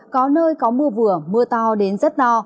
có nơi có mưa vừa mưa to đến rất to